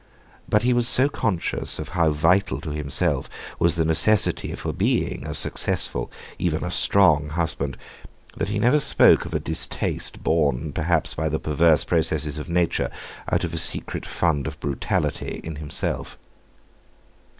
But he was so conscious of how vital to himself was the necessity for being a successful, even a "strong," husband, that he never spoke of a distaste born perhaps by the perverse processes of Nature out of a secret fund of brutality in himself.